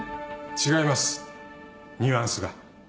違いますニュアンスが。